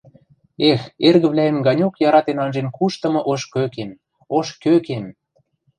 «Эх, эргӹвлӓэм ганьок яратен анжен куштымы ош кӧкем, ош кӧкем!